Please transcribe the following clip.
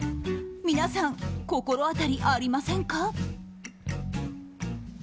皆さん、心当たりありませんか？